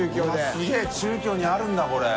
すげぇ中京にあるんだこれ。